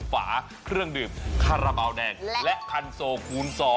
ฝาเครื่องดื่มคาราบาลแดงและคันโซคูณ๒